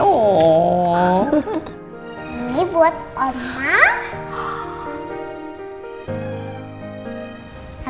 ini buat mama